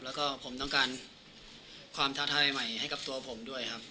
แล้วก็ผมต้องการความท้าทายใหม่ให้กับตัวผมด้วยครับ